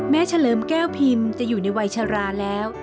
เฉลิมแก้วพิมพ์จะอยู่ในวัยชราแล้ว